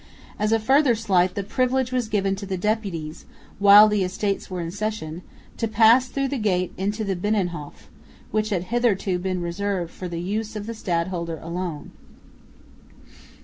As a further slight, the privilege was given to the deputies, while the Estates were in session, to pass through the gate into the Binnenhof, which had hitherto been reserved for the use of the stadholder alone.